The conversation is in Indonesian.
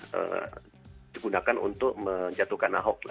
yang digunakan untuk menjatuhkan ahok